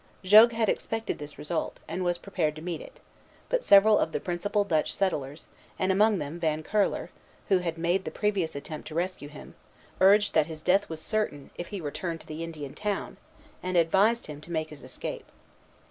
Jogues had expected this result, and was prepared to meet it; but several of the principal Dutch settlers, and among them Van Curler, who had made the previous attempt to rescue him, urged that his death was certain, if he returned to the Indian town, and advised him to make his escape.